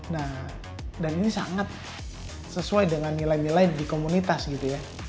nah dan ini sangat sesuai dengan nilai nilai di komunitas gitu ya